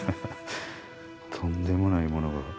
とんでもないモノが。